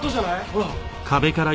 ほら。